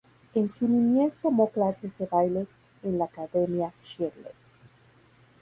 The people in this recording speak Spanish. En su niñez tomó clases de baile en la Academia Shirley.